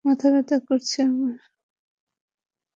মাথা ব্যথা করছে আমার।